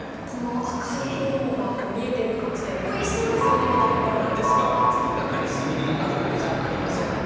この赤い炎が見えている感じで、おいしそうですよね、見た目からもですが、中に炭火があるわけじゃありません。